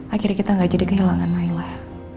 akhirnya kita gak jadi kehilangan naila